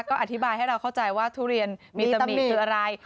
ก็อธิบายให้เราเข้าใจว่าทุเรียนมีตำหนิคืออะไร